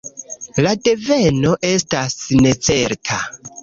La deveno estas necerta.